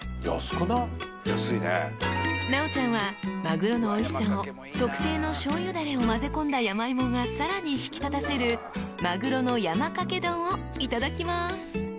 ［奈央ちゃんはマグロのおいしさを特製のしょうゆダレを混ぜ込んだヤマイモがさらに引き立たせるまぐろの山かけ丼をいただきます］